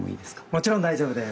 もちろん大丈夫です。